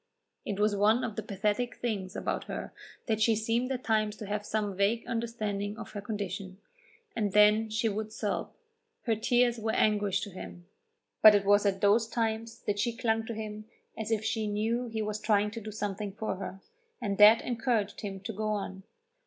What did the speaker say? It was one of the pathetic things about her that she seemed at times to have some vague understanding of her condition, and then she would sob. Her tears were anguish to him, but it was at those times that she clung to him as if she knew he was trying to do something for her, and that encouraged him to go on.